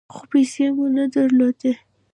خو پیسې مو نه درلودې .